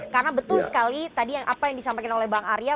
karena betul sekali tadi yang apa yang disampaikan oleh bang arya